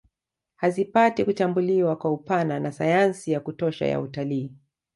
Hazipati kuchambuliwa kwa upana na sayansi ya kutosha ya utalii